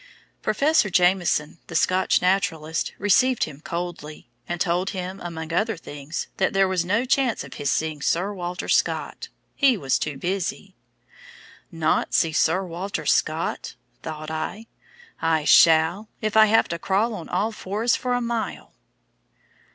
Professor Jameson, the Scotch naturalist, received him coldly, and told him, among other things, that there was no chance of his seeing Sir Walter Scott he was too busy. "Not see Sir Walter Scott?" thought I; "I SHALL, if I have to crawl on all fours for a mile."